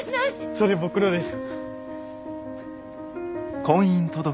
それ僕のです。